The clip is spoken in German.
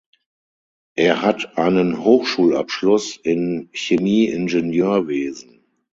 Er hat einen Hochschulabschluss in Chemieingenieurwesen.